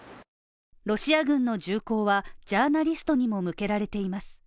ロシア軍の銃口はジャーナリストにも向けられています。